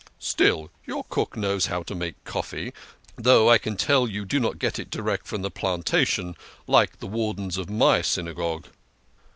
Still, your cook knows how to make coffee, though I can tell you do not get it direct from the plantation like the wardens of my Syna gogue."